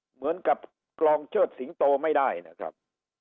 เหมือนกับกรองเชิดสิงโตไม่ได้นะครับ